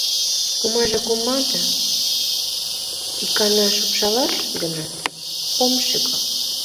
Кумаже кума да... икана шупшалаш гынат, ом шӱкал.